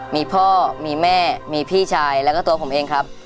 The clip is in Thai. มีพ่อมีแม่มีพี่ชายแล้วก็ตัวผมเองครับ